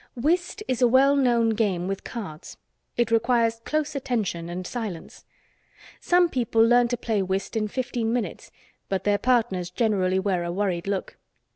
Whist is a well known game with cards. It requires close attention and silence. Some people learn to play whist in fifteen minutes, but their partners generally wear a worried look.